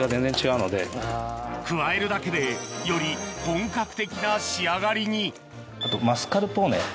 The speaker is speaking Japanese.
加えるだけでより本格的な仕上がりにあとマスカルポーネ。